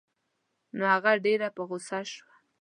نو هغه ډېره په غوسه شوه.